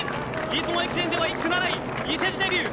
出雲駅伝では１区７位伊勢路デビュー。